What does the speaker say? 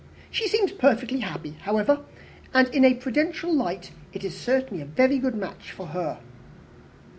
She seems perfectly happy, however; and, in a prudential light, it is certainly a very good match for her."